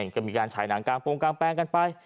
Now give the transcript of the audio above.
ก็มีการฉายหนังกางโปรงกางแปลงกันไป